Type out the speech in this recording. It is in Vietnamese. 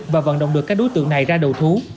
và vận động được các đối tượng này ra đầu thú